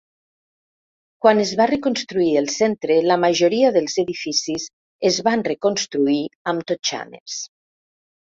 Quan es va reconstruir el centre, la majoria dels edificis es van reconstruir amb totxanes.